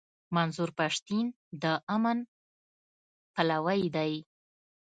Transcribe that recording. منظور پښتين د امن پلوی دی.